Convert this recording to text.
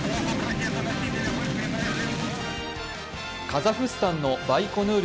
カザフスタンのバイコヌール